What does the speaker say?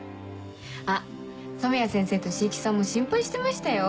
あっ染谷先生と椎木さんも心配してましたよ。